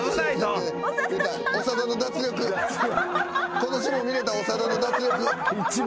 今年も見れた長田の脱力。